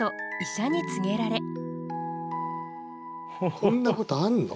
こんなことあんの？